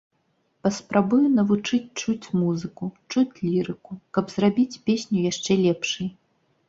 Паспрабую навучыць чуць музыку, чуць лірыку, каб зрабіць песню яшчэ лепшай.